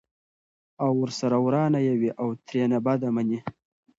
او ورسره ورانه یې وي او ترېنه بده مني!